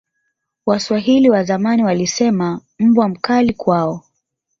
waswahili wazamani walisema mbwa mkali kwao